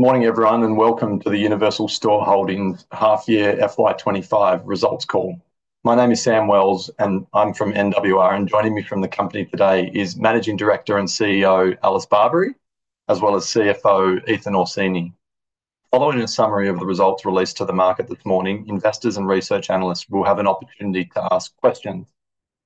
Good morning, everyone, and welcome to the Universal Store Holdings Half-Year FY25 Results Call. My name is Sam Wells, and I'm from NWR, and joining me from the company today is Managing Director and CEO Alice Barbery, as well as CFO Ethan Orsini. Following a summary of the results released to the market this morning, investors and research analysts will have an opportunity to ask questions.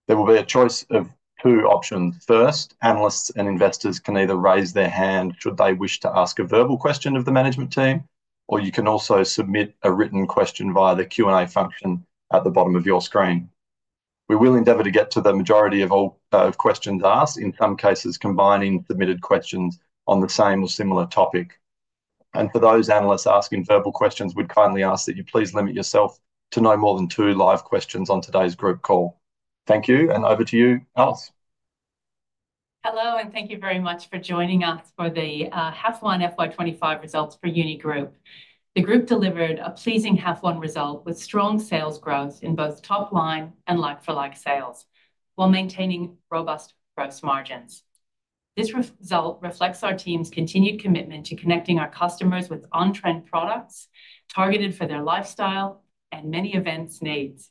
There will be a choice of two options. First, analysts and investors can either raise their hand should they wish to ask a verbal question of the management team, or you can also submit a written question via the Q&A function at the bottom of your screen. We will endeavor to get to the majority of questions asked, in some cases combining submitted questions on the same or similar topic. And for those analysts asking verbal questions, we'd kindly ask that you please limit yourself to no more than two live questions on today's group call. Thank you, and over to you, Alice. Hello, and thank you very much for joining us for the half-year FY25 results for Universal Store Holdings. The group delivered a pleasing half-year result with strong sales growth in both top-line and like-for-like sales while maintaining robust gross margins. This result reflects our team's continued commitment to connecting our customers with on-trend products targeted for their lifestyle and many events' needs.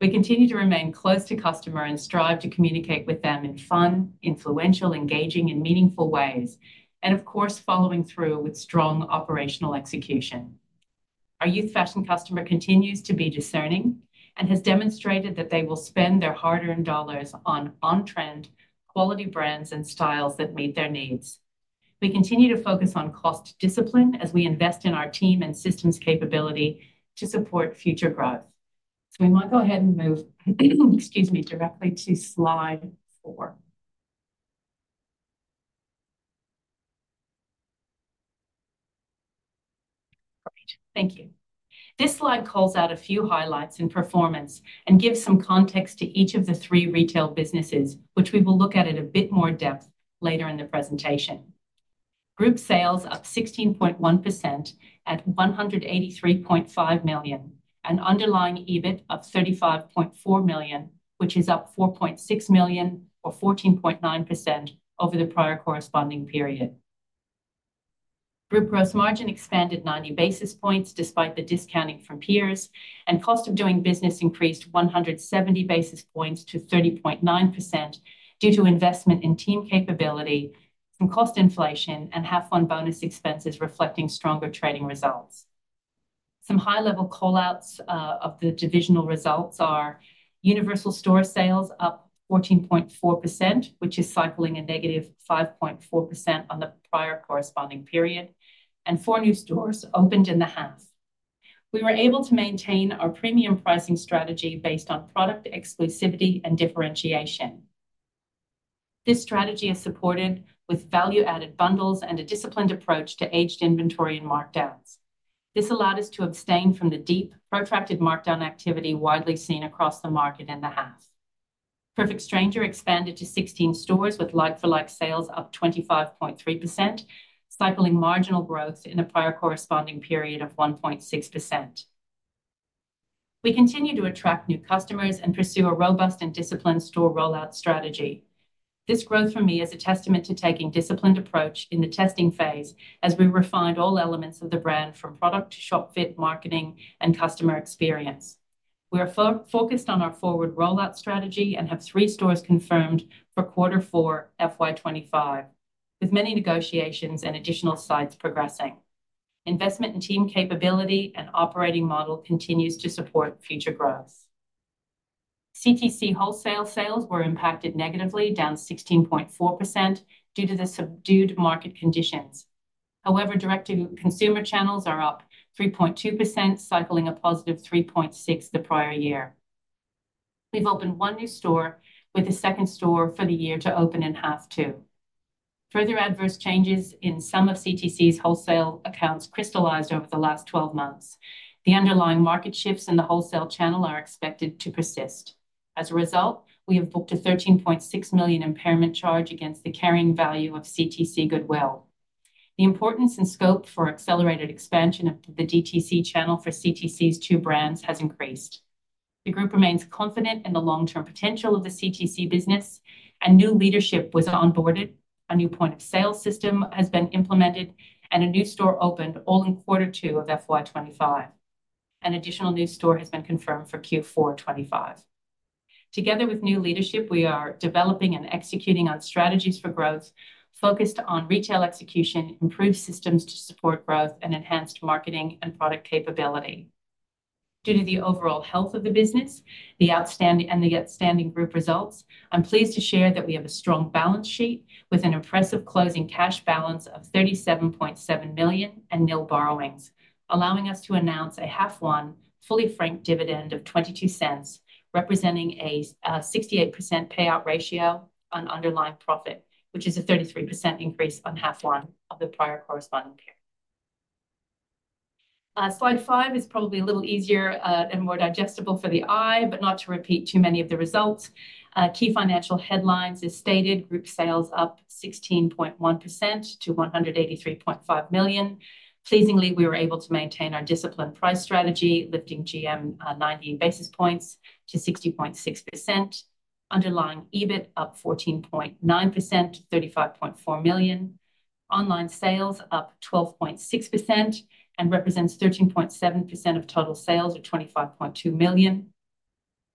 We continue to remain close to customers and strive to communicate with them in fun, influential, engaging, and meaningful ways, and of course, following through with strong operational execution. Our youth fashion customer continues to be discerning and has demonstrated that they will spend their hard-earned dollars on on-trend, quality brands and styles that meet their needs. We continue to focus on cost discipline as we invest in our team and systems capability to support future growth. We might go ahead and move, excuse me, directly to slide four. Great, thank you. This slide calls out a few highlights in performance and gives some context to each of the three retail businesses, which we will look at in a bit more depth later in the presentation. Group sales up 16.1% at $183.5 million, an underlying EBIT of $35.4 million, which is up $4.6 million or 14.9% over the prior corresponding period. Group gross margin expanded 90 basis points despite the discounting from peers, and cost of doing business increased 170 basis points to 30.9% due to investment in team capability and cost inflation and half-one bonus expenses reflecting stronger trading results. Some high-level callouts of the divisional results are Universal Store sales up 14.4%, which is cycling a negative 5.4% on the prior corresponding period, and four new stores opened in the half. We were able to maintain our premium pricing strategy based on product exclusivity and differentiation. This strategy is supported with value-added bundles and a disciplined approach to aged inventory and markdowns. This allowed us to abstain from the deep protracted markdown activity widely seen across the market in the half. Perfect Stranger expanded to 16 stores with like-for-like sales up 25.3%, cycling marginal growth in the prior corresponding period of 1.6%. We continue to attract new customers and pursue a robust and disciplined store rollout strategy. This growth for me is a testament to taking a disciplined approach in the testing phase as we refined all elements of the brand from product to shop fit, marketing, and customer experience. We are focused on our forward rollout strategy and have three stores confirmed for quarter four FY25, with many negotiations and additional sites progressing. Investment in team capability and operating model continues to support future growth. CTC wholesale sales were impacted negatively, down 16.4% due to the subdued market conditions. However, direct-to-consumer channels are up 3.2%, cycling a positive 3.6% the prior year. We've opened one new store with a second store for the year to open in half two. Further adverse changes in some of CTC's wholesale accounts crystallised over the last 12 months. The underlying market shifts in the wholesale channel are expected to persist. As a result, we have booked an $13.6 million impairment charge against the carrying value of CTC goodwill. The importance and scope for accelerated expansion of the DTC channel for CTC's two brands has increased. The group remains confident in the long-term potential of the CTC business, and new leadership was onboarded. A new point of sale system has been implemented, and a new store opened all in quarter two of FY25. An additional new store has been confirmed for Q4 FY25. Together with new leadership, we are developing and executing on strategies for growth focused on retail execution, improved systems to support growth, and enhanced marketing and product capability. Due to the overall health of the business, the outstanding group results, I'm pleased to share that we have a strong balance sheet with an impressive closing cash balance of $37.7 million and nil borrowings, allowing us to announce a half-one fully franked dividend of $0.22, representing a 68% payout ratio on underlying profit, which is a 33% increase on half-one of the prior corresponding period. Slide five is probably a little easier and more digestible for the eye, but not to repeat too many of the results. Key financial headlines as stated: group sales up 16.1% to $183.5 million. Pleasingly, we were able to maintain our disciplined price strategy, lifting GM 90 basis points to 60.6%. Underlying EBIT up 14.9% to $35.4 million. Online sales up 12.6% and represents 13.7% of total sales of $25.2 million.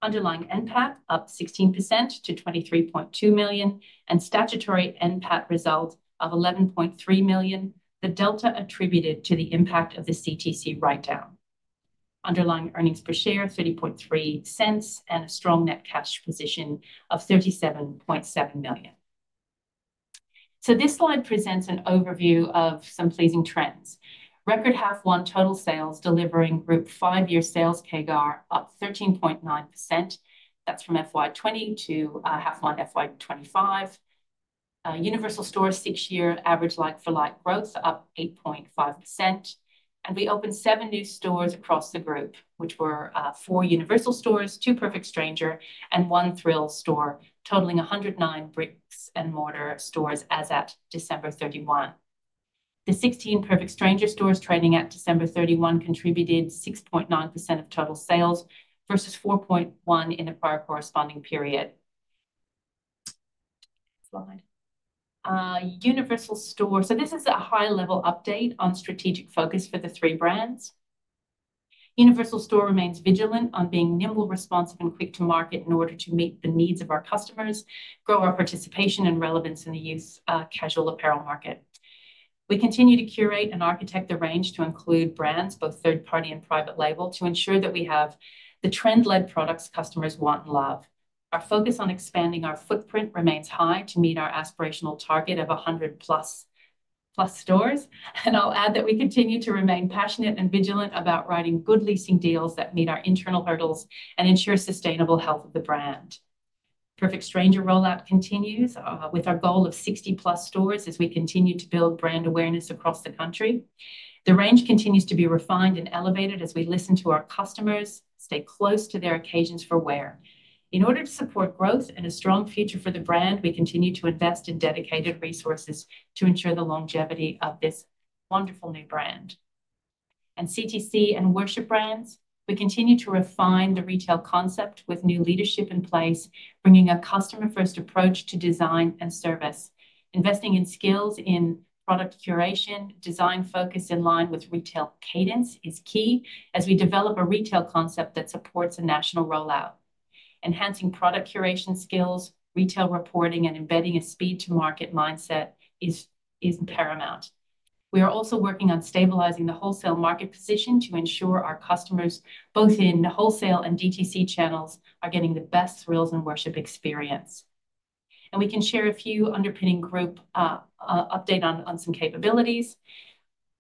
Underlying NPAT up 16% to $23.2 million and statutory NPAT result of $11.3 million, the delta attributed to the impact of the CTC write-down. Underlying earnings per share $0.303 and a strong net cash position of $37.7 million, so this slide presents an overview of some pleasing trends. Record half-one total sales delivering group five-year sales CAGR up 13.9%. That's from FY20 to half-one FY25. Universal Store's six-year average like-for-like growth up 8.5%, and we opened seven new stores across the group, which were four Universal Stores, two Perfect Stranger, and one Thrills store, totaling 109 brick-and-mortar stores as at December 31. The 16 Perfect Stranger stores trading at December 31 contributed 6.9% of total sales versus 4.1% in the prior corresponding period. Universal Store, so this is a high-level update on strategic focus for the three brands. Universal Store remains vigilant on being nimble, responsive, and quick to market in order to meet the needs of our customers, grow our participation and relevance in the youth casual apparel market. We continue to curate and architect the range to include brands, both third-party and private label, to ensure that we have the trend-led products customers want and love. Our focus on expanding our footprint remains high to meet our aspirational target of 100 plus stores. And I'll add that we continue to remain passionate and vigilant about writing good leasing deals that meet our internal hurdles and ensure sustainable health of the brand. Perfect Stranger rollout continues with our goal of 60 plus stores as we continue to build brand awareness across the country. The range continues to be refined and elevated as we listen to our customers stay close to their occasions for wear. In order to support growth and a strong future for the brand, we continue to invest in dedicated resources to ensure the longevity of this wonderful new brand, and CTC and Worship brands, we continue to refine the retail concept with new leadership in place, bringing a customer-first approach to design and service. Investing in skills in product curation, design focus in line with retail cadence is key as we develop a retail concept that supports a national rollout. Enhancing product curation skills, retail reporting, and embedding a speed-to-market mindset is paramount. We are also working on stabilizing the wholesale market position to ensure our customers, both in wholesale and DTC channels, are getting the best Thrills and Worship experience, and we can share a few underpinning group updates on some capabilities.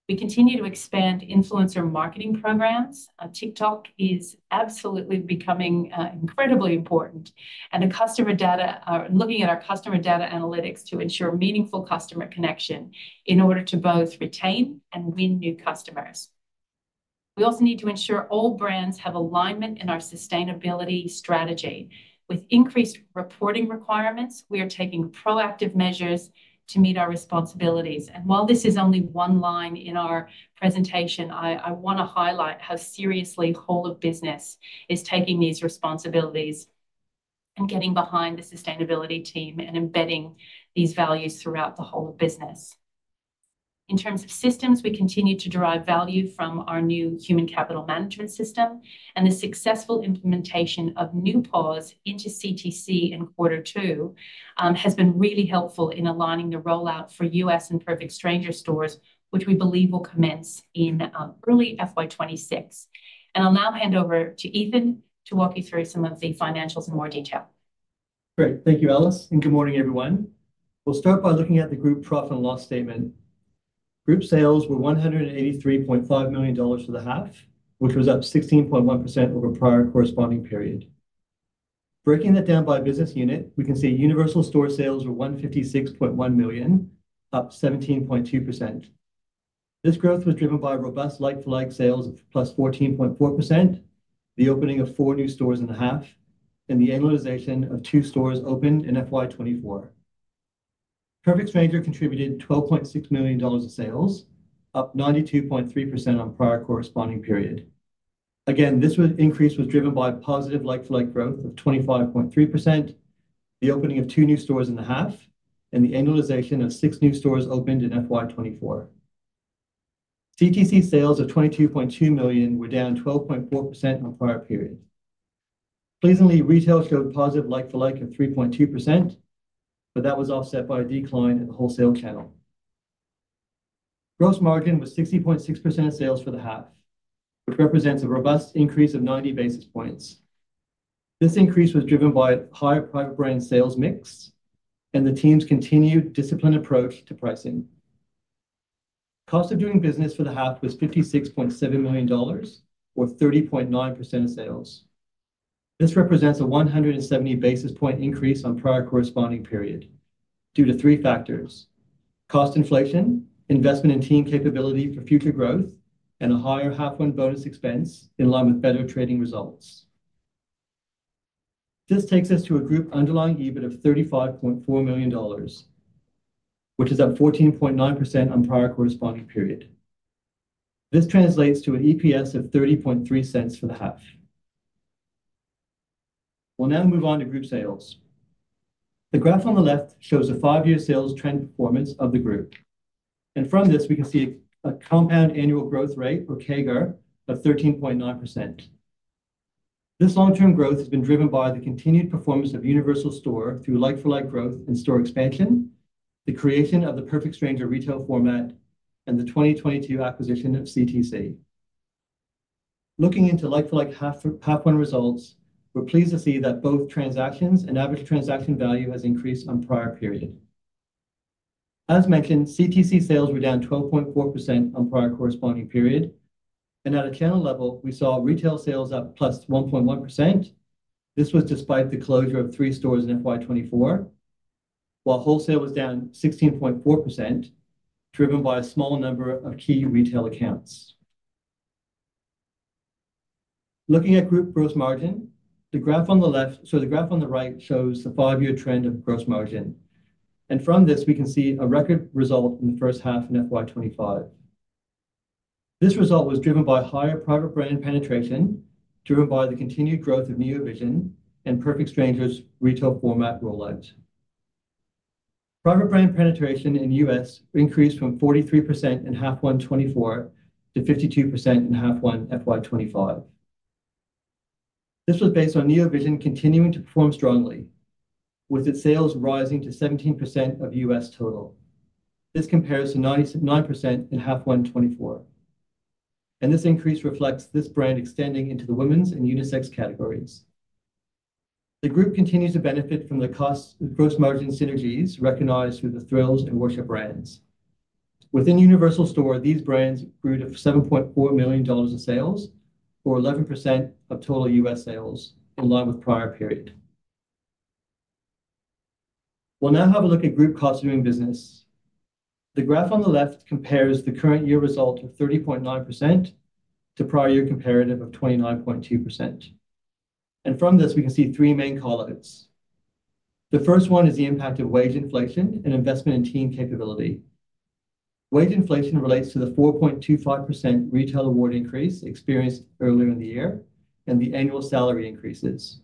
We continue to expand influencer marketing programs. TikTok is absolutely becoming incredibly important, and the customer data are looking at our customer data analytics to ensure meaningful customer connection in order to both retain and win new customers. We also need to ensure all brands have alignment in our sustainability strategy. With increased reporting requirements, we are taking proactive measures to meet our responsibilities, and while this is only one line in our presentation, I want to highlight how seriously the whole of business is taking these responsibilities and getting behind the sustainability team and embedding these values throughout the whole of business. In terms of systems, we continue to derive value from our new human capital management system, and the successful implementation of new POS into CTC in quarter two has been really helpful in aligning the rollout for US and Perfect Stranger stores, which we believe will commence in early FY26, and I'll now hand over to Ethan to walk you through some of the financials in more detail. Great, thank you, Alice, and good morning, everyone. We'll start by looking at the group profit and loss statement. Group sales were $183.5 million for the half, which was up 16.1% over the prior corresponding period. Breaking that down by business unit, we can see Universal Store sales were $156.1 million, up 17.2%. This growth was driven by robust like-for-like sales of plus 14.4%, the opening of four new stores in the half, and the annualization of two stores opened in FY24. Perfect Stranger contributed $12.6 million of sales, up 92.3% on the prior corresponding period. Again, this increase was driven by positive like-for-like growth of 25.3%, the opening of two new stores in the half, and the annualization of six new stores opened in FY24. CTC sales of $22.2 million were down 12.4% on the prior period. Pleasingly, retail showed positive like-for-like of 3.2%, but that was offset by a decline in the wholesale channel. Gross margin was 60.6% of sales for the half, which represents a robust increase of 90 basis points. This increase was driven by a higher private brand sales mix and the team's continued disciplined approach to pricing. Cost of doing business for the half was $56.7 million or 30.9% of sales. This represents a 170 basis point increase on the prior corresponding period due to three factors: cost inflation, investment in team capability for future growth, and a higher half-one bonus expense in line with better trading results. This takes us to a group underlying EBIT of $35.4 million, which is up 14.9% on the prior corresponding period. This translates to an EPS of $0.303 for the half. We'll now move on to group sales. The graph on the left shows the five-year sales trend performance of the group. From this, we can see a compound annual growth rate or CAGR of 13.9%. This long-term growth has been driven by the continued performance of Universal Store through like-for-like growth and store expansion, the creation of the Perfect Stranger retail format, and the 2022 acquisition of CTC. Looking into like-for-like half-one results, we're pleased to see that both transactions and average transaction value have increased on the prior period. As mentioned, CTC sales were down 12.4% on the prior corresponding period. At a channel level, we saw retail sales up plus 1.1%. This was despite the closure of three stores in FY24, while wholesale was down 16.4%, driven by a small number of key retail accounts. Looking at group gross margin, the graph on the left shows the five-year trend of gross margin. From this, we can see a record result in the first half in FY25. This result was driven by higher private brand penetration, driven by the continued growth of Neovision and Perfect Stranger's retail format rollout. Private brand penetration in the U.S. increased from 43% in 1H24 to 52% in 1H FY25. This was based on Neovision continuing to perform strongly, with its sales rising to 17% of US total. This compares to 9% in 1H24. And this increase reflects this brand extending into the women's and unisex categories. The group continues to benefit from the gross margin synergies recognized through the Thrills and Worship brands. Within Universal Store, these brands grew to $7.4 million of sales, or 11% of total US sales, in line with the prior period. We'll now have a look at group cost of doing business. The graph on the left compares the current year result of 30.9% to the prior year comparative of 29.2%. And from this, we can see three main callouts. The first one is the impact of wage inflation and investment in team capability. Wage inflation relates to the 4.25% Retail Award increase experienced earlier in the year and the annual salary increases.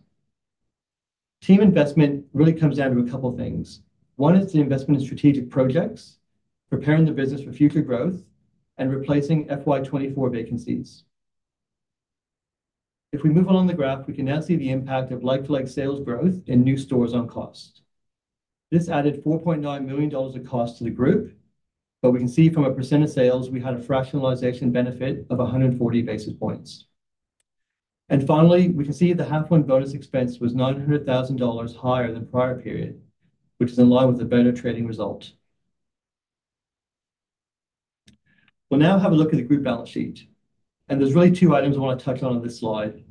Team investment really comes down to a couple of things. One is the investment in strategic projects, preparing the business for future growth, and replacing FY24 vacancies. If we move along the graph, we can now see the impact of like-for-like sales growth in new stores on cost. This added $4.9 million of cost to the group, but we can see from a percent of sales, we had a fractionalisation benefit of 140 basis points. Finally, we can see the half-one bonus expense was $900,000 higher than the prior period, which is in line with a better trading result. We'll now have a look at the group balance sheet. There's really two items I want to touch on this slide.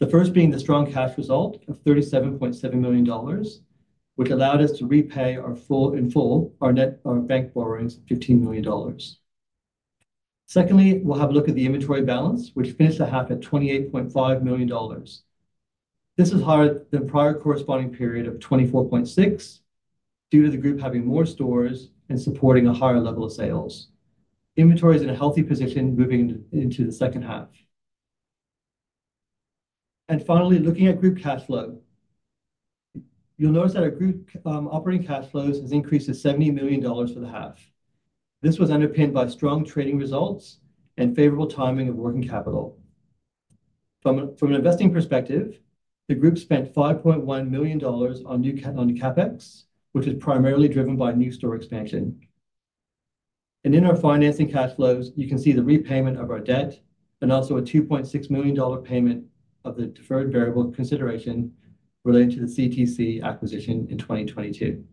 The first being the strong cash result of $37.7 million, which allowed us to repay in full our net bank borrowings of $15 million. Secondly, we'll have a look at the inventory balance, which finished the half at $28.5 million. This is higher than the prior corresponding period of 24.6 due to the group having more stores and supporting a higher level of sales. Inventory is in a healthy position moving into the second half. Finally, looking at group cash flow, you'll notice that our group operating cash flows have increased to $70 million for the half. This was underpinned by strong trading results and favorable timing of working capital. From an investing perspective, the group spent $5.1 million on new CapEx, which is primarily driven by new store expansion. And in our financing cash flows, you can see the repayment of our debt and also a $2.6 million payment of the deferred variable consideration related to the CTC acquisition in 2022.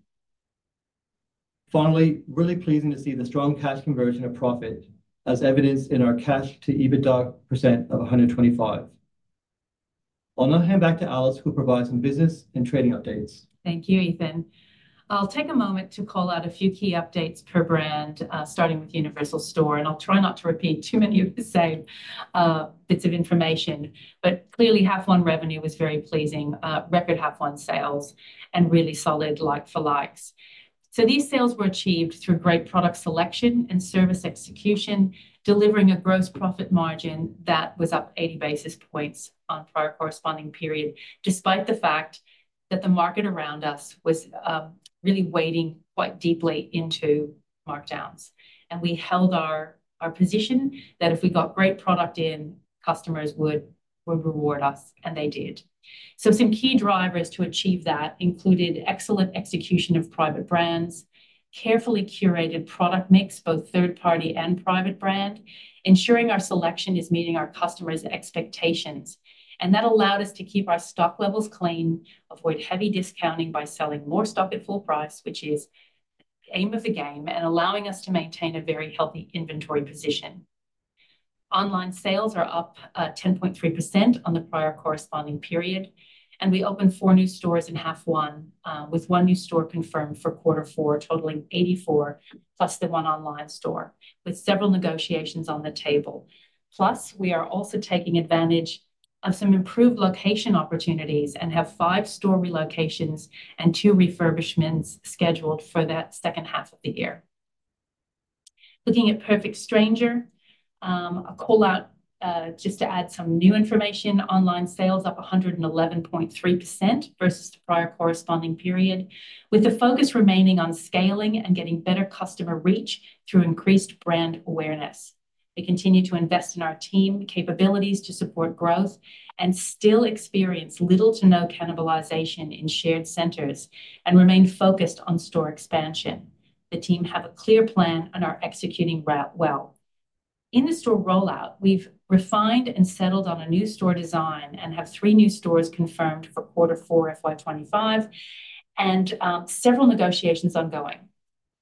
Finally, really pleasing to see the strong cash conversion of profit as evidenced in our cash-to-EBITDA of 125%. I'll now hand back to Alice, who will provide some business and trading updates. Thank you, Ethan. I'll take a moment to call out a few key updates per brand, starting with Universal Store, and I'll try not to repeat too many of the same bits of information, but clearly, half-one revenue was very pleasing, record half-one sales, and really solid like-for-likes, so these sales were achieved through great product selection and service execution, delivering a gross profit margin that was up 80 basis points on the prior corresponding period, despite the fact that the market around us was really wading quite deeply into markdowns, and we held our position that if we got great product in, customers would reward us, and they did, so some key drivers to achieve that included excellent execution of private brands, carefully curated product mix, both third-party and private brand, ensuring our selection is meeting our customers' expectations. And that allowed us to keep our stock levels clean, avoid heavy discounting by selling more stock at full price, which is the aim of the game, and allowing us to maintain a very healthy inventory position. Online sales are up 10.3% on the prior corresponding period. And we opened four new stores in half-one, with one new store confirmed for quarter four, totaling 84, plus the one online store, with several negotiations on the table. Plus, we are also taking advantage of some improved location opportunities and have five store relocations and two refurbishments scheduled for that second half of the year. Looking at Perfect Stranger, a callout just to add some new information: online sales up 111.3% versus the prior corresponding period, with the focus remaining on scaling and getting better customer reach through increased brand awareness. We continue to invest in our team capabilities to support growth and still experience little to no cannibalisation in shared centres and remain focused on store expansion. The team has a clear plan and are executing well. In the store rollout, we've refined and settled on a new store design and have three new stores confirmed for quarter four FY25 and several negotiations ongoing.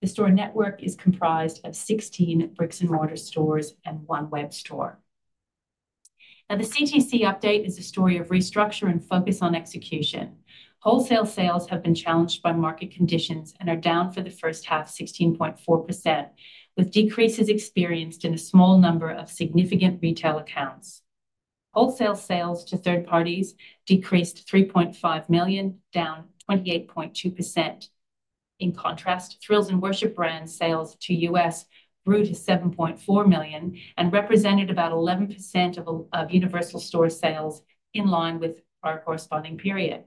The store network is comprised of 16 bricks and mortar stores and one web store. Now, the CTC update is a story of restructure and focus on execution. Wholesale sales have been challenged by market conditions and are down for the first half 16.4%, with decreases experienced in a small number of significant retail accounts. Wholesale sales to third parties decreased $3.5 million, down 28.2%. In contrast, Thrills and Worship brand sales to US grew to $7.4 million and represented about 11% of Universal Store sales in line with the prior corresponding period.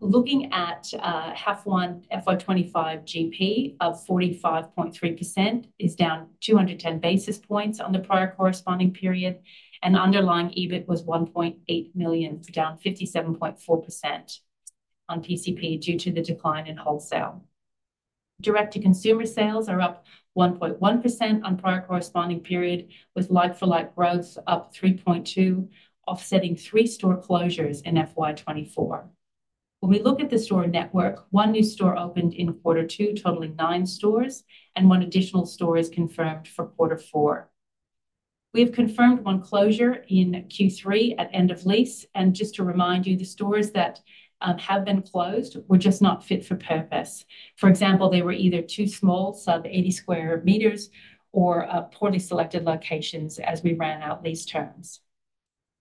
Looking at half-one FY25 GP of 45.3%, it is down 210 basis points on the prior corresponding period. And underlying EBIT was $1.8 million, down 57.4% on PCP due to the decline in wholesale. Direct-to-consumer sales are up 1.1% on the prior corresponding period, with like-for-like growth up 3.2%, offsetting three store closures in FY24. When we look at the store network, one new store opened in quarter two, totaling nine stores, and one additional store is confirmed for quarter four. We have confirmed one closure in Q3 at end of lease. And just to remind you, the stores that have been closed were just not fit for purpose. For example, they were either too small, sub-80 square meters, or poorly selected locations as we ran out lease terms.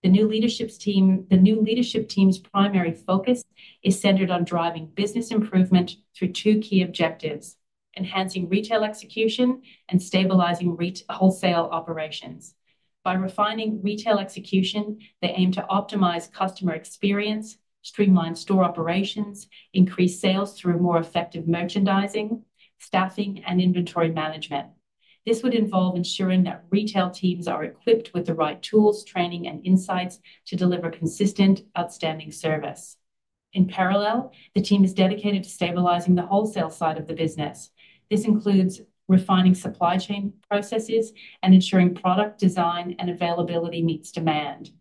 The new leadership team's primary focus is centered on driving business improvement through two key objectives: enhancing retail execution and stabilizing wholesale operations. By refining retail execution, they aim to optimize customer experience, streamline store operations, increase sales through more effective merchandising, staffing, and inventory management. This would involve ensuring that retail teams are equipped with the right tools, training, and insights to deliver consistent, outstanding service. In parallel, the team is dedicated to stabilizing the wholesale side of the business. This includes refining supply chain processes and ensuring product design and availability meets demand.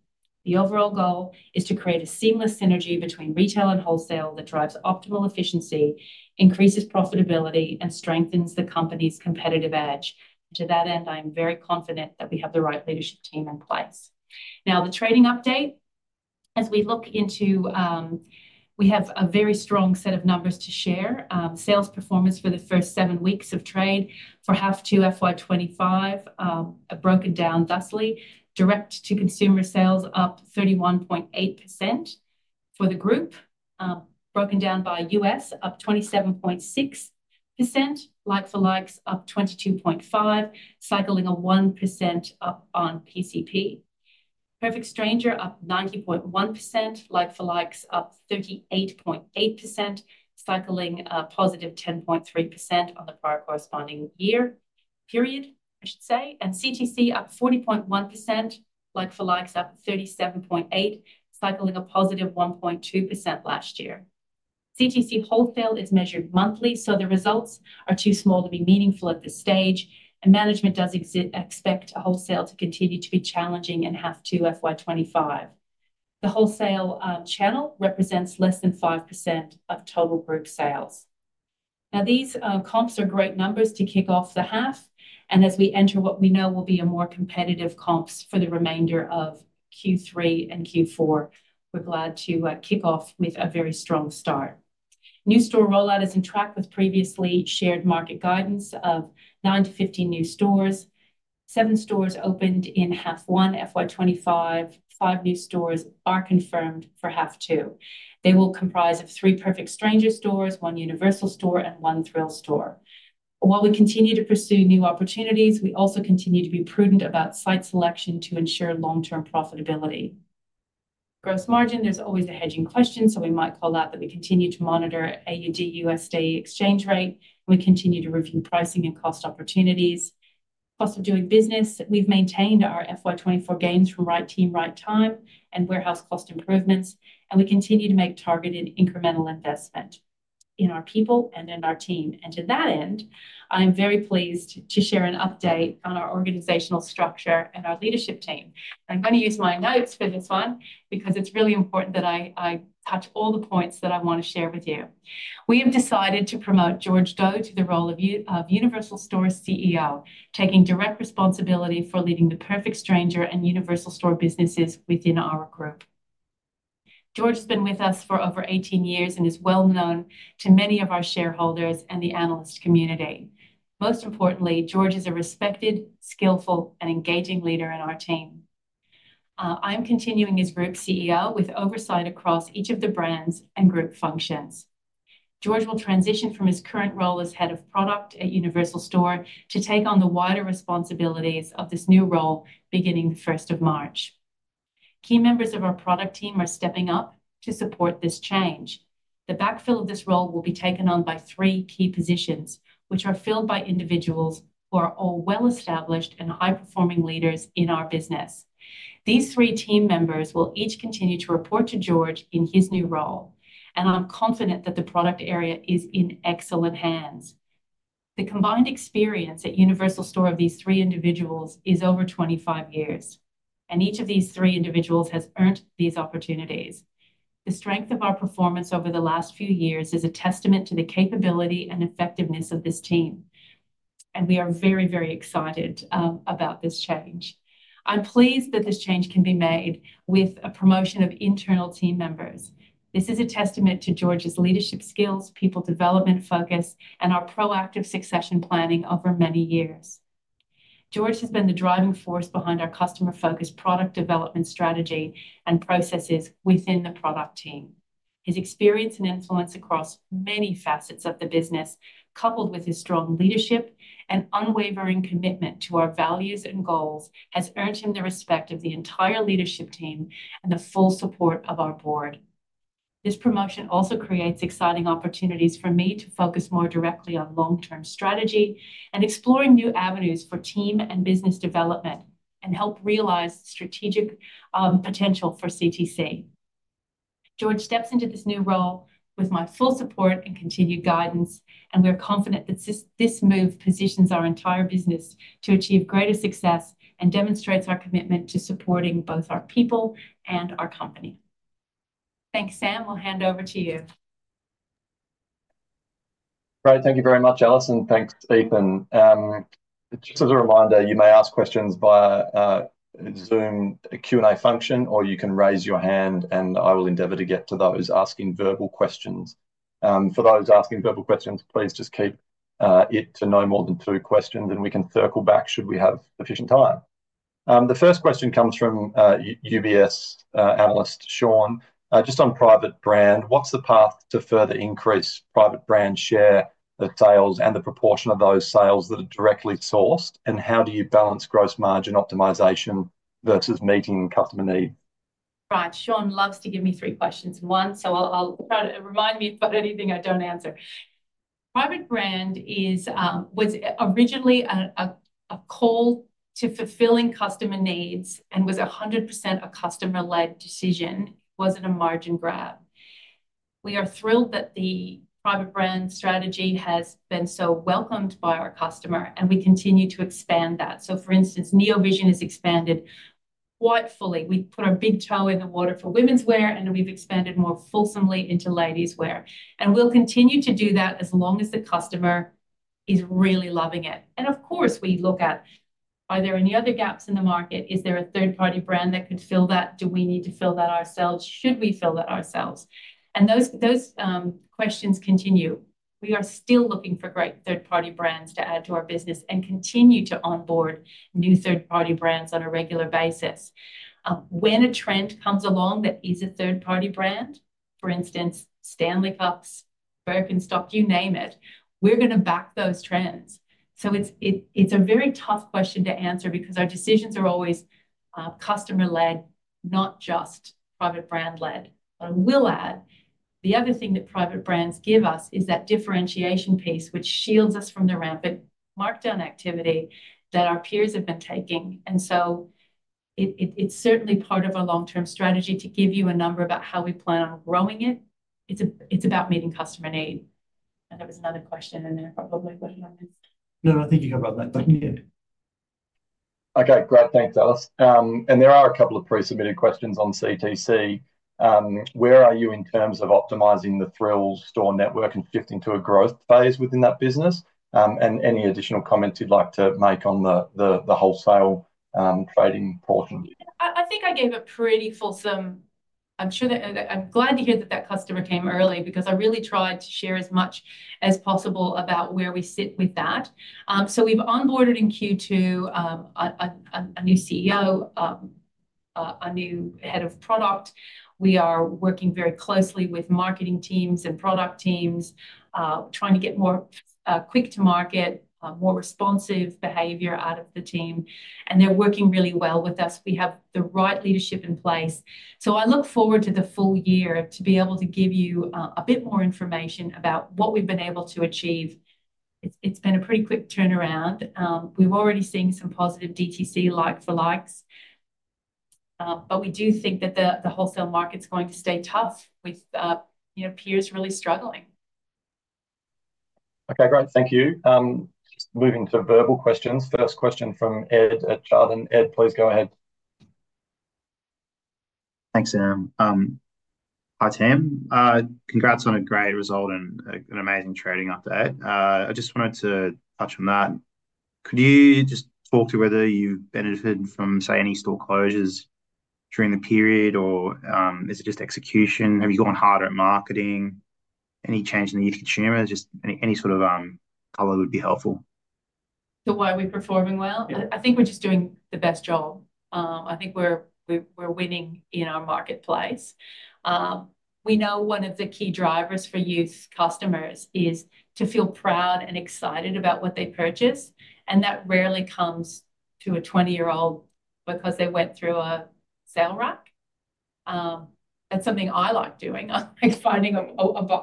The overall goal is to create a seamless synergy between retail and wholesale that drives optimal efficiency, increases profitability, and strengthens the company's competitive edge. To that end, I am very confident that we have the right leadership team in place. Now, the trading update. As we look into we have a very strong set of numbers to share. Sales performance for the first seven weeks of trade for H2 FY25, broken down thusly: direct-to-consumer sales up 31.8% for the group, broken down by US, up 27.6%; like-for-like up 22.5%; cycling a 1% up on PCP; Perfect Stranger up 90.1%; like-for-like up 38.8%; cycling a positive 10.3% on the prior corresponding year, period, I should say. CTC up 40.1%; like-for-like up 37.8%; cycling a positive 1.2% last year. CTC wholesale is measured monthly, so the results are too small to be meaningful at this stage. Management does expect wholesale to continue to be challenging in H2 FY25. The wholesale channel represents less than 5% of total group sales. Now, these comps are great numbers to kick off the half, and as we enter what we know will be more competitive comps for the remainder of Q3 and Q4, we're glad to kick off with a very strong start. New store rollout is on track with previously shared market guidance of nine to 15 new stores. Seven stores opened in half-one FY25; five new stores are confirmed for half-two. They will comprise of three Perfect Stranger stores, one Universal Store, and one Thrills store. While we continue to pursue new opportunities, we also continue to be prudent about site selection to ensure long-term profitability. Gross margin, there's always a hedging question, so we might call out that we continue to monitor AUD/USD exchange rate. We continue to review pricing and cost opportunities. Cost of doing business. We've maintained our FY24 gains from right team, right time, and warehouse cost improvements. We continue to make targeted incremental investment in our people and in our team. To that end, I am very pleased to share an update on our organizational structure and our leadership team. I'm going to use my notes for this one because it's really important that I touch all the points that I want to share with you. We have decided to promote George Do to the role of Universal Store CEO, taking direct responsibility for leading the Perfect Stranger and Universal Store businesses within our group. George has been with us for over 18 years and is well-known to many of our shareholders and the analyst community. Most importantly, George is a respected, skillful, and engaging leader in our team. I'm continuing as Group CEO with oversight across each of the brands and group functions. George will transition from his current role as Head of Product at Universal Store to take on the wider responsibilities of this new role beginning the 1st of March. Key members of our product team are stepping up to support this change. The backfill of this role will be taken on by three key positions, which are filled by individuals who are all well-established and high-performing leaders in our business. These three team members will each continue to report to George in his new role. And I'm confident that the product area is in excellent hands. The combined experience at Universal Store of these three individuals is over 25 years. And each of these three individuals has earned these opportunities. The strength of our performance over the last few years is a testament to the capability and effectiveness of this team and we are very, very excited about this change. I'm pleased that this change can be made with a promotion of internal team members. This is a testament to George's leadership skills, people development focus, and our proactive succession planning over many years. George has been the driving force behind our customer-focused product development strategy and processes within the product team. His experience and influence across many facets of the business, coupled with his strong leadership and unwavering commitment to our values and goals, has earned him the respect of the entire leadership team and the full support of our board. This promotion also creates exciting opportunities for me to focus more directly on long-term strategy and explore new avenues for team and business development and help realize strategic potential for CTC. George steps into this new role with my full support and continued guidance. And we are confident that this move positions our entire business to achieve greater success and demonstrates our commitment to supporting both our people and our company. Thanks, Sam. We'll hand over to you. Great. Thank you very much, Alice, and thanks, Ethan. Just as a reminder, you may ask questions via Zoom Q&A function, or you can raise your hand, and I will endeavor to get to those asking verbal questions. For those asking verbal questions, please just keep it to no more than two questions, and we can circle back should we have sufficient time. The first question comes from UBS analyst, Shaun. Just on private brand, what's the path to further increase private brand share of sales and the proportion of those sales that are directly sourced? And how do you balance gross margin optimisation versus meeting customer needs? Right. Shaun loves to give me three questions. One, so I'll try to remind me about anything I don't answer. Private brand was originally a call to fulfilling customer needs and was 100% a customer-led decision. It wasn't a margin grab. We are thrilled that the private brand strategy has been so welcomed by our customer, and we continue to expand that. So, for instance, Neovision has expanded quite fully. We put our big toe in the water for women's wear, and we've expanded more fulsomely into ladies' wear. And we'll continue to do that as long as the customer is really loving it. And of course, we look at, are there any other gaps in the market? Is there a third-party brand that could fill that? Do we need to fill that ourselves? Should we fill that ourselves? And those questions continue. We are still looking for great third-party brands to add to our business and continue to onboard new third-party brands on a regular basis. When a trend comes along that is a third-party brand, for instance, Stanley cups, Birkenstock, you name it, we're going to back those trends, so it's a very tough question to answer because our decisions are always customer-led, not just private brand-led, but I will add, the other thing that private brands give us is that differentiation piece, which shields us from the rampant markdown activity that our peers have been taking, and so it's certainly part of our long-term strategy to give you a number about how we plan on growing it. It's about meeting customer need, and there was another question in there, probably. No, I think you covered that. Okay. Great. Thanks, Alice. And there are a couple of pre-submitted questions on CTC. Where are you in terms of optimizing the Thrills store network and shifting to a growth phase within that business? And any additional comments you'd like to make on the wholesale trading portion? I think I gave a pretty fulsome. I'm glad to hear that that customer came early because I really tried to share as much as possible about where we sit with that, so we've onboarded in Q2 a new CEO, a new head of product. We are working very closely with marketing teams and product teams, trying to get more quick-to-market, more responsive behavior out of the team, and they're working really well with us. We have the right leadership in place, so I look forward to the full year to be able to give you a bit more information about what we've been able to achieve. It's been a pretty quick turnaround. We've already seen some positive DTC like-for-likes, but we do think that the wholesale market's going to stay tough with peers really struggling. Okay. Great. Thank you. Moving to verbal questions. First question from Ed at Jarden. Ed, please go ahead. Thanks, Sam. Hi, team. Congrats on a great result and an amazing trading update. I just wanted to touch on that. Could you just talk to whether you've benefited from, say, any store closures during the period, or is it just execution? Have you gone harder at marketing? Any change in the youth consumer? Just any sort of color would be helpful. The way we're performing well? I think we're just doing the best job. I think we're winning in our marketplace. We know one of the key drivers for youth customers is to feel proud and excited about what they purchase. And that rarely comes to a 20-year-old because they went through a sale rack. That's something I like doing, finding a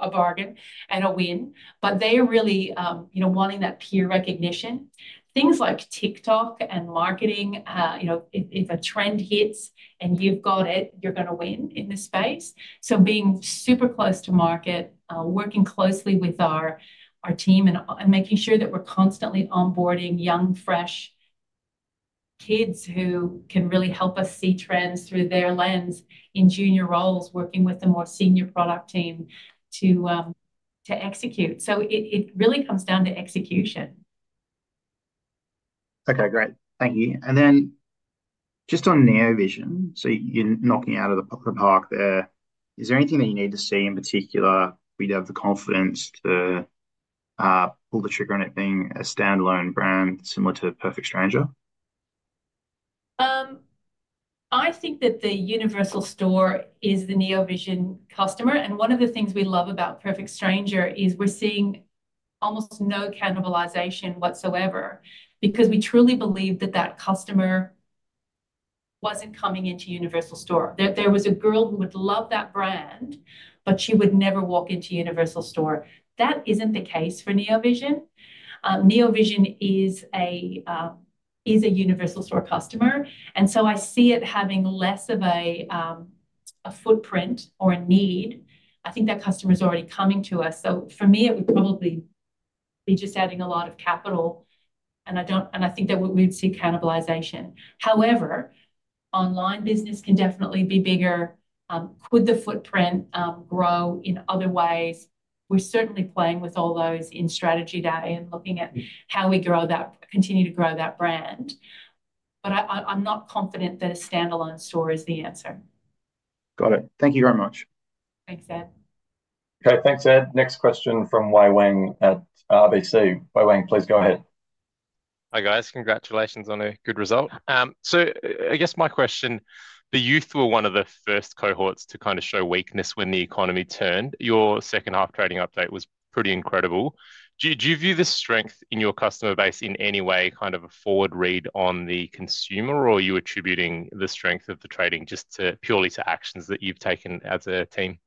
bargain and a win. But they are really wanting that peer recognition. Things like TikTok and marketing, if a trend hits and you've got it, you're going to win in this space. So being super close to market, working closely with our team, and making sure that we're constantly onboarding young, fresh kids who can really help us see trends through their lens in junior roles, working with the more senior product team to execute. So it really comes down to execution. Okay. Great. Thank you, and then just on Neovision, so you're knocking it out of the park there. Is there anything that you need to see in particular for you to have the confidence to pull the trigger on it being a standalone brand similar to Perfect Stranger? I think that the Universal Store is the Neovision customer. And one of the things we love about Perfect Stranger is we're seeing almost no cannibalisation whatsoever because we truly believe that that customer wasn't coming into Universal Store. There was a girl who would love that brand, but she would never walk into Universal Store. That isn't the case for Neovision. Neovision is a Universal Store customer. And so I see it having less of a footprint or a need. I think that customer is already coming to us. So for me, it would probably be just adding a lot of capital. And I think that we would see cannibalisation. However, online business can definitely be bigger. Could the footprint grow in other ways? We're certainly playing with all those in strategy today and looking at how we continue to grow that brand. But I'm not confident that a standalone store is the answer. Got it. Thank you very much. Thanks, Ed. Okay. Thanks, Ed. Next question from Wei-Weng Chen at RBC. Wei-Weng Chen, please go ahead. Hi guys. Congratulations on a good result. So I guess my question, the youth were one of the first cohorts to kind of show weakness when the economy turned. Your second-half trading update was pretty incredible. Do you view the strength in your customer base in any way kind of a forward read on the consumer, or are you attributing the strength of the trading just purely to actions that you've taken as a team?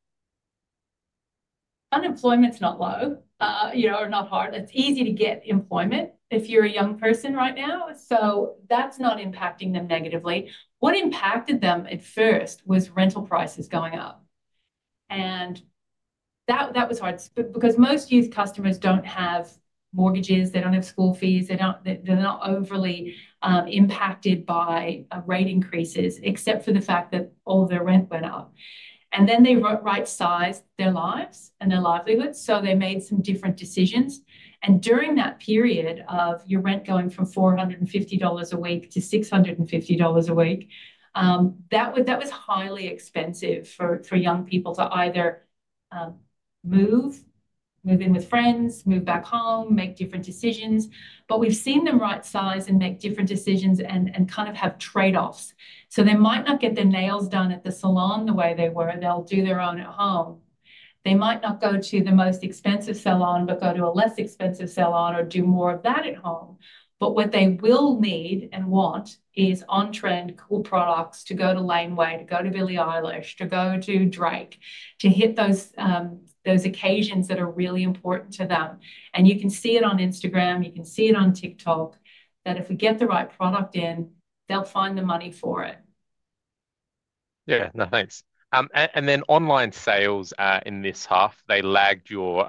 Unemployment's not low or not hard. It's easy to get employment if you're a young person right now. So that's not impacting them negatively. What impacted them at first was rental prices going up. And that was hard because most youth customers don't have mortgages. They don't have school fees. They're not overly impacted by rate increases, except for the fact that all their rent went up. And then they right-sized their lives and their livelihoods. So they made some different decisions. And during that period of your rent going from $450 a week to $650 a week, that was highly expensive for young people to either move in with friends, move back home, make different decisions. But we've seen them right-size and make different decisions and kind of have trade-offs. So they might not get their nails done at the salon the way they were. They'll do their own at home. They might not go to the most expensive salon but go to a less expensive salon or do more of that at home. But what they will need and want is on-trend cool products to go to Laneway, to go to Billie Eilish, to go to Drake, to hit those occasions that are really important to them. And you can see it on Instagram. You can see it on TikTok that if we get the right product in, they'll find the money for it. Yeah. No, thanks. And then online sales in this half, they lagged your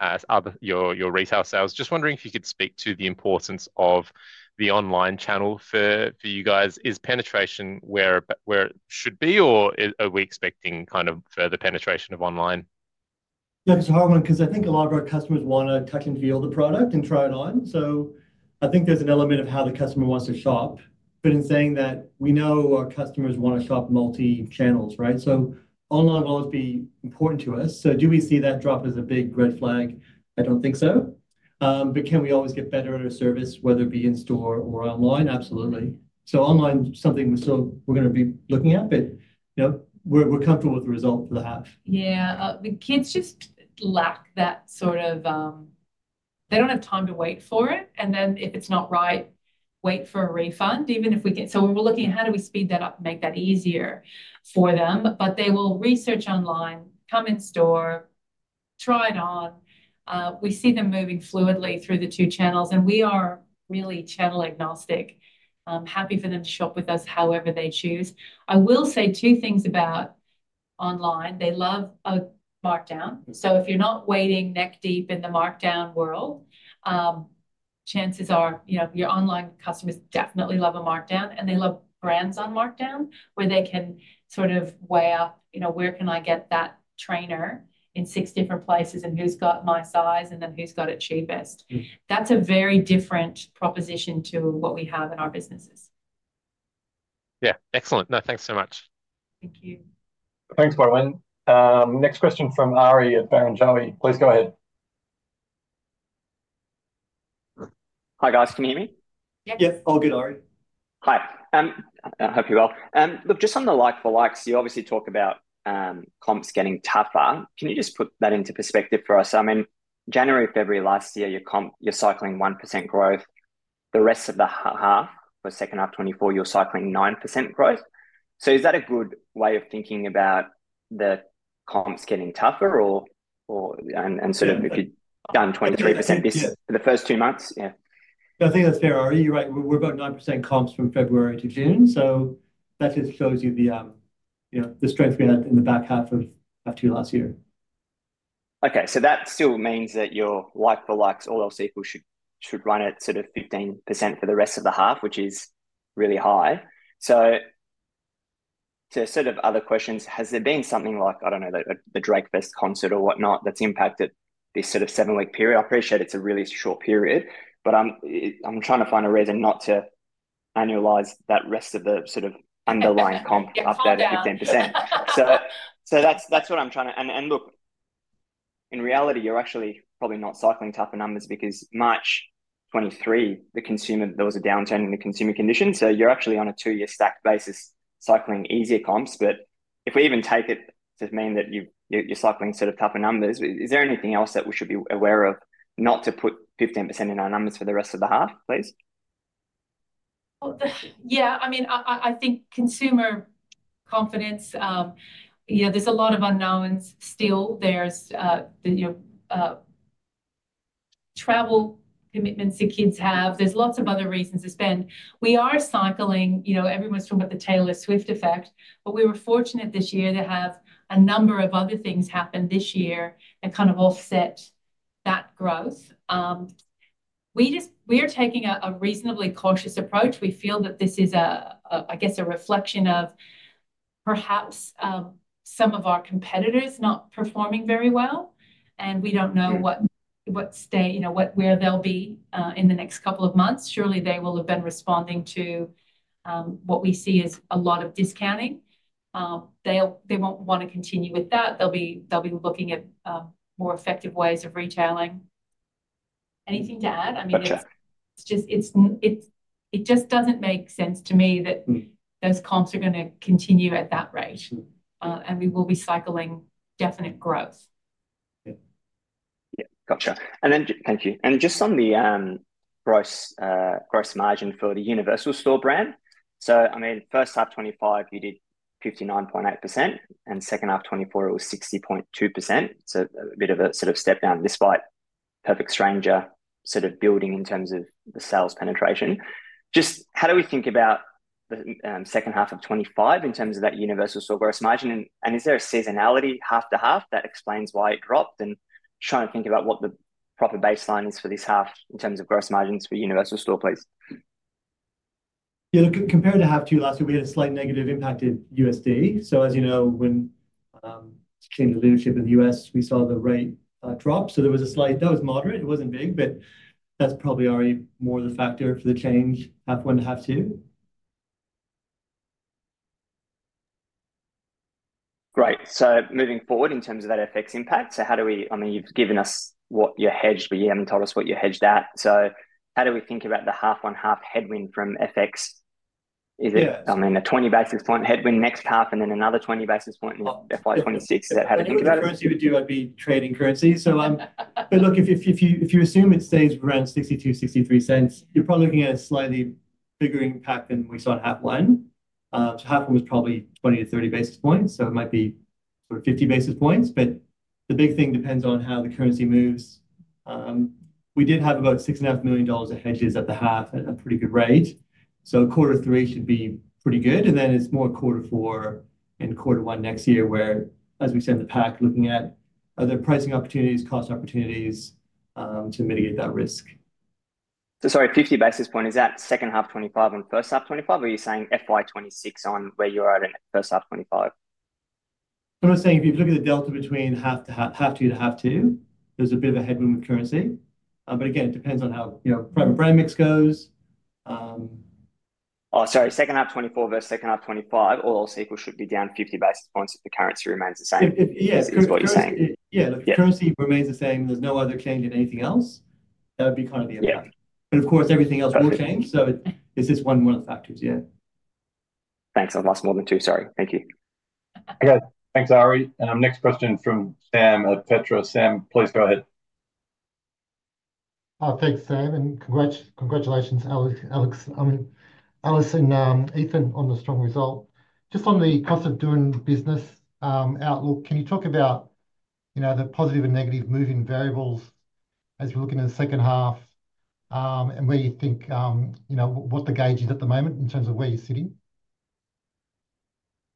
retail sales. Just wondering if you could speak to the importance of the online channel for you guys. Is penetration where it should be, or are we expecting kind of further penetration of online? Yeah, that's a hard one because I think a lot of our customers want to touch and feel the product and try it on. So I think there's an element of how the customer wants to shop. But in saying that, we know our customers want to shop multi-channels, right? So online will always be important to us. So do we see that drop as a big red flag? I don't think so. But can we always get better at our service, whether it be in store or online? Absolutely. So online is something we're going to be looking at, but we're comfortable with the result for the half. Yeah. The kids just lack that sort of, they don't have time to wait for it, and then if it's not right, wait for a refund, even if we can, so we were looking at how do we speed that up and make that easier for them, but they will research online, come in store, try it on. We see them moving fluidly through the two channels, and we are really channel agnostic, happy for them to shop with us however they choose. I will say two things about online. They love a markdown, so if you're not waiting neck deep in the markdown world, chances are your online customers definitely love a markdown, and they love brands on markdown where they can sort of weigh up, "Where can I get that trainer in six different places? And who's got my size? And then who's got it cheapest?" That's a very different proposition to what we have in our businesses. Yeah. Excellent. No, thanks so much. Thank you. Thanks, Wei-Weng. Next question from Harry at Barrenjoey. Please go ahead. Hi, guys. Can you hear me? Yep. Yep. All good, Harry. Hi. I hope you're well. Look, just on the like-for-likes, you obviously talk about comps getting tougher. Can you just put that into perspective for us? I mean, January and February last year, you're cycling 1% growth. The rest of the half, the second half 2024, you're cycling 9% growth. So is that a good way of thinking about the comps getting tougher? And sort of if you've done 23% in the first two months? Yeah. Yeah, I think that's fair, Harry. You're right. We're about 9% comps from February to June. So that just shows you the strength we had in the back half of 2022 last year. Okay. So that still means that your like-for-likes, all else equal, should run at sort of 15% for the rest of the half, which is really high. So to sort of other questions, has there been something like, I don't know, the Drake Fest concert or whatnot that's impacted this sort of seven-week period? I appreciate it's a really short period, but I'm trying to find a reason not to annualize that rest of the sort of underlying comp update at 15%. So that's what I'm trying to, and look, in reality, you're actually probably not cycling tougher numbers because March 2023, there was a downturn in the consumer conditions. So you're actually on a two-year stacked basis cycling easier comps. But if we even take it to mean that you're cycling sort of tougher numbers, is there anything else that we should be aware of not to put 15% in our numbers for the rest of the half, please? Yeah. I mean, I think consumer confidence, there's a lot of unknowns still. There's travel commitments that kids have. There's lots of other reasons to spend. We are cycling. Everyone's talking about the Taylor Swift effect. But we were fortunate this year to have a number of other things happen this year and kind of offset that growth. We are taking a reasonably cautious approach. We feel that this is, I guess, a reflection of perhaps some of our competitors not performing very well. And we don't know where they'll be in the next couple of months. Surely, they will have been responding to what we see as a lot of discounting. They won't want to continue with that. They'll be looking at more effective ways of retailing. Anything to add? I mean, it just doesn't make sense to me that those comps are going to continue at that rate. We will be cycling definite growth. Yeah. Yeah. Gotcha. And then, thank you. And just on the gross margin for the Universal Store brand, so I mean, first half 2025, you did 59.8%. And second half 2024, it was 60.2%. So a bit of a sort of step down despite Perfect Stranger sort of building in terms of the sales penetration. Just how do we think about the second half of 2025 in terms of that Universal Store gross margin? And is there a seasonality half to half that explains why it dropped? And trying to think about what the proper baseline is for this half in terms of gross margins for Universal Store, please. Yeah. Look, compared to half two last year, we had a slight negative impact in USD. So as you know, when came the leadership of the US, we saw the rate drop. So there was a slight—that was moderate. It wasn't big. But that's probably already more of the factor for the change, half one to half two. Great. So moving forward in terms of that FX impact, so how do we, I mean, you've given us what you hedged, but you haven't told us what you hedged at. So how do we think about the half-on-half headwind from FX? Is it, I mean, a 20 basis point headwind next half and then another 20 basis point in FY 2026? Is that how to think about it? Currency would do, I'd be trading currency. But look, if you assume it stays around 62, 63 cents, you're probably looking at a slightly bigger impact than we saw in half one. So half one was probably 20 to 30 basis points. So it might be sort of 50 basis points. But the big thing depends on how the currency moves. We did have about $6.5 million of hedges at the half at a pretty good rate. So quarter three should be pretty good. And then it's more quarter four and quarter one next year where, as we said in the pack, looking at other pricing opportunities, cost opportunities to mitigate that risk. So sorry, 50 basis points. Is that second half 2025 and first half 2025? Or are you saying FY 2026 on where you're at in first half 2025? I'm just saying if you look at the delta between half two to half two, there's a bit of a headwind with currency. But again, it depends on how private brand mix goes. Oh, sorry. Second half 2024 versus second half 2025, all else equal should be down 50 basis points if the currency remains the same. Yes. Is what you're saying. Yeah. Look, if the currency remains the same, there's no other change in anything else, that would be kind of the impact. But of course, everything else will change. So it's just one of the factors, yeah. Thanks. I've lost more than two. Sorry. Thank you. Okay. Thanks, Harry. Next question from Sam at Petra. Sam, please go ahead. Oh, thanks, Sam, and congratulations, Alice. I mean, Alice, Ethan, on the strong result. Just on the cost of doing business outlook, can you talk about the positive and negative moving variables as we're looking at the second half and where you think what the gauge is at the moment in terms of where you're sitting?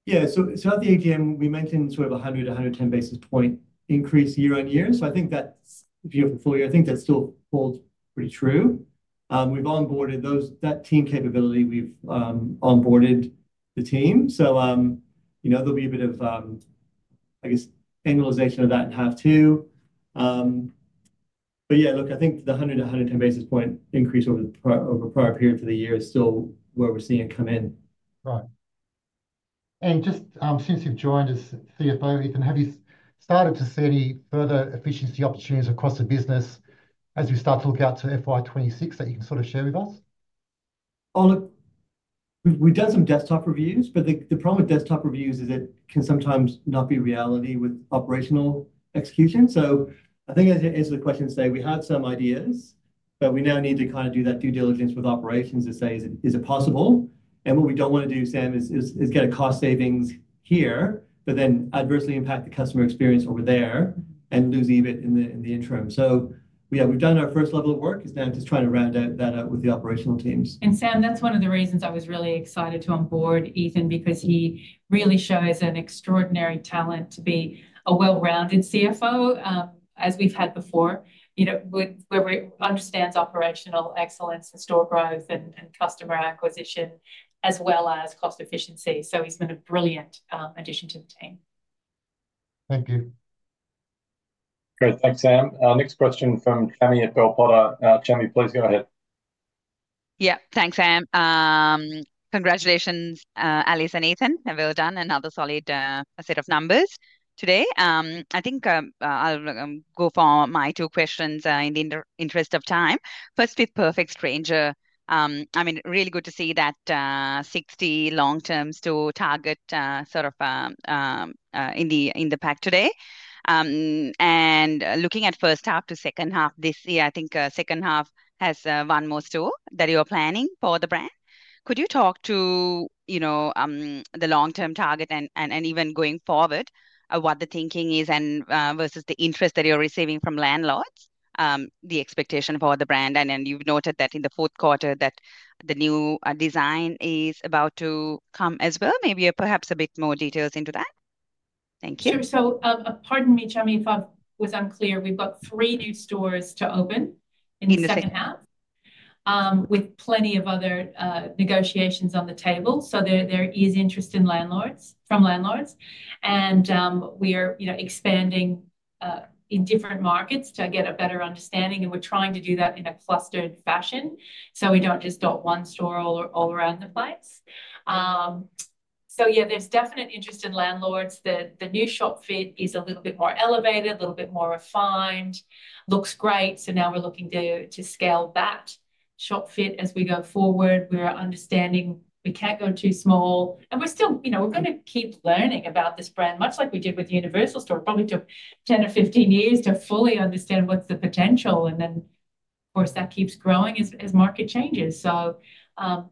Yeah. So I think, again, we mentioned sort of 100-110 basis point increase year on year. So I think that's if you have a full year. I think that still holds pretty true. We've onboarded that team capability. We've onboarded the team. So there'll be a bit of, I guess, annualization of that in half two. But yeah, look, I think the 100-110 basis point increase over a prior period for the year is still where we're seeing it come in. Right. And just since you've joined us, CFO Ethan, have you started to see any further efficiency opportunities across the business as we start to look out to FY 2026 that you can sort of share with us? Oh, look, we've done some desktop reviews, but the problem with desktop reviews is it can sometimes not be reality with operational execution, so I think as the question says, we had some ideas, but we now need to kind of do that due diligence with operations to say, is it possible, and what we don't want to do, Sam, is get a cost savings here, but then adversely impact the customer experience over there and lose EBIT in the interim, so yeah, we've done our first level of work. It's now just trying to round out that with the operational teams. Sam, that's one of the reasons I was really excited to onboard Ethan because he really shows an extraordinary talent to be a well-rounded CFO as we've had before, where he understands operational excellence and store growth and customer acquisition as well as cost efficiency. So he's been a brilliant addition to the team. Thank you. Great. Thanks, Sam. Next question from Chami at Bell Potter. Chami, please go ahead. Yeah. Thanks, Sam. Congratulations, Alice and Ethan. Well done. Another solid set of numbers today. I think I'll go for my two questions in the interest of time. First, with Perfect Stranger, I mean, really good to see that 60 long-term store target sort of in the pack today. And looking at first half to second half this year, I think second half has one more store that you are planning for the brand. Could you talk to the long-term target and even going forward, what the thinking is versus the interest that you're receiving from landlords, the expectation for the brand? And then you've noted that in the fourth quarter that the new design is about to come as well. Maybe perhaps a bit more details into that. Thank you. Sure. So pardon me, Chami, if I was unclear. We've got three new stores to open in the second half with plenty of other negotiations on the table. So there is interest from landlords. And we are expanding in different markets to get a better understanding. And we're trying to do that in a clustered fashion so we don't just dot one store all around the place. So yeah, there's definite interest in landlords. The new shop fit is a little bit more elevated, a little bit more refined, looks great. So now we're looking to scale that shop fit as we go forward. We're understanding we can't go too small. And we're still going to keep learning about this brand, much like we did with Universal Store. It probably took 10 or 15 years to fully understand what's the potential. And then, of course, that keeps growing as market changes. So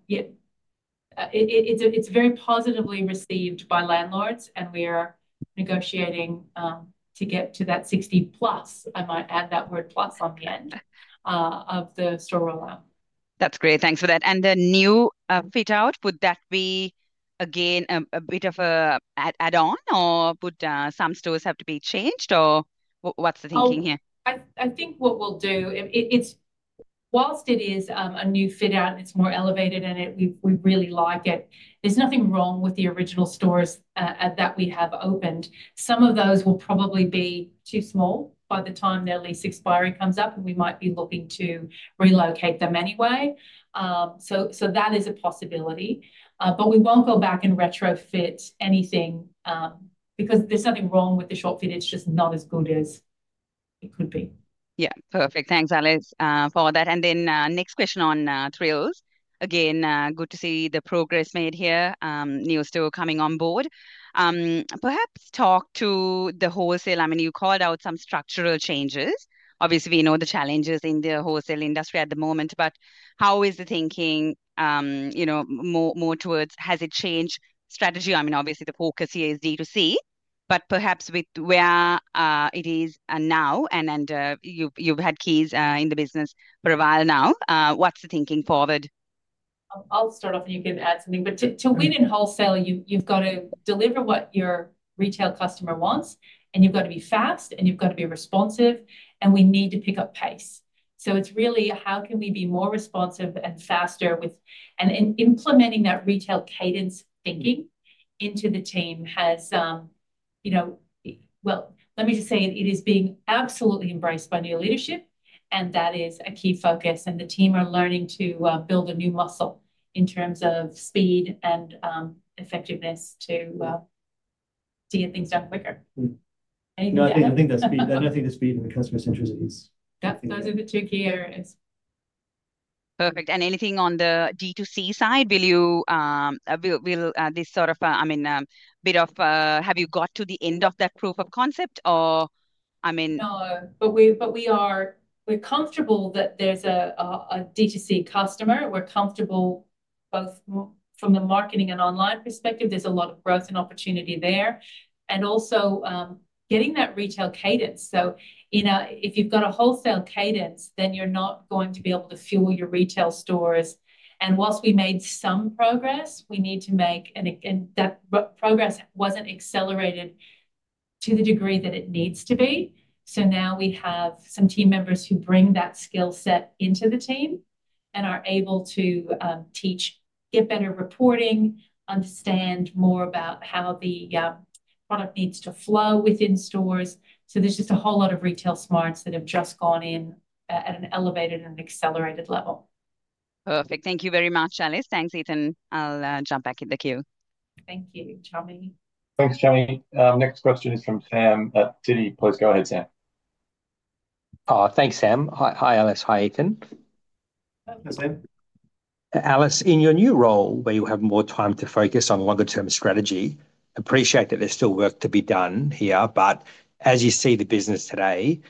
yeah, it's very positively received by landlords. And we are negotiating to get to that 60 plus. I might add that word plus on the end of the store rollout. That's great. Thanks for that. And the new fit out, would that be again a bit of an add-on or would some stores have to be changed or what's the thinking here? I think what we'll do, while it is a new fit out and it's more elevated and we really like it, there's nothing wrong with the original stores that we have opened. Some of those will probably be too small by the time their lease expiration comes up, and we might be looking to relocate them anyway. That is a possibility, but we won't go back and retrofit anything because there's nothing wrong with the store fit. It's just not as good as it could be. Yeah. Perfect. Thanks, Alice, for that. And then next question on Thrills. Again, good to see the progress made here. New store coming on board. Perhaps talk to the wholesale. I mean, you called out some structural changes. Obviously, we know the challenges in the wholesale industry at the moment. But how is the thinking more towards? Has it changed strategy? I mean, obviously, the focus here is D2C, but perhaps with where it is now, and you've had keys in the business for a while now, what's the thinking forward? I'll start off and you can add something. But to win in wholesale, you've got to deliver what your retail customer wants. And you've got to be fast. And you've got to be responsive. And we need to pick up pace. So it's really how can we be more responsive and faster with and implementing that retail cadence thinking into the team has, well, let me just say it is being absolutely embraced by new leadership. And that is a key focus. And the team are learning to build a new muscle in terms of speed and effectiveness to get things done quicker. No, I think the speed and the customer's interest is. Those are the two key areas. Perfect. And anything on the D2C side? Will this sort of, I mean, bit of have you got to the end of that proof of concept or, I mean? No. But we are comfortable that there's a D2C customer. We're comfortable both from the marketing and online perspective. There's a lot of growth and opportunity there. And also getting that retail cadence. So if you've got a wholesale cadence, then you're not going to be able to fuel your retail stores. And whilst we made some progress we need to make, and that progress wasn't accelerated to the degree that it needs to be. So now we have some team members who bring that skill set into the team and are able to teach, get better reporting, understand more about how the product needs to flow within stores. So there's just a whole lot of retail smarts that have just gone in at an elevated and accelerated level. Perfect. Thank you very much, Alice. Thanks, Ethan. I'll jump back in the queue. Thank you, Chami. Thanks, Chami. Next question is from Sam at Citi. Please go ahead, Sam. Oh, thanks, Sam. Hi, Alice. Hi, Ethan. Hi, Sam. Alice, in your new role, where you have more time to focus on longer-term strategy, I appreciate that there's still work to be done here. But as you see the business today,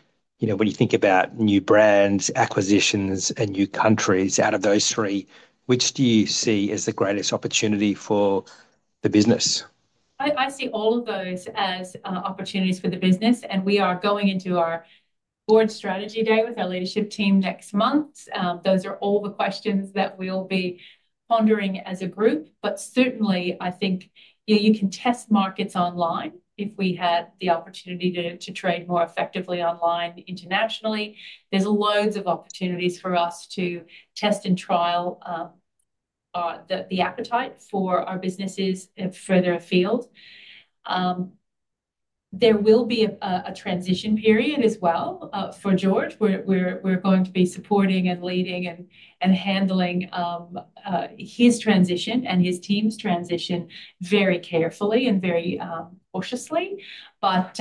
when you think about new brands, acquisitions, and new countries out of those three, which do you see as the greatest opportunity for the business? I see all of those as opportunities for the business, and we are going into our board strategy day with our leadership team next month. Those are all the questions that we'll be pondering as a group, but certainly, I think you can test markets online if we had the opportunity to trade more effectively online internationally. There's loads of opportunities for us to test and trial the appetite for our businesses further afield. There will be a transition period as well for George. We're going to be supporting and leading and handling his transition and his team's transition very carefully and very cautiously, but